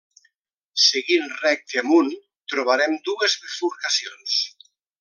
Seguint recte amunt, trobarem dues bifurcacions.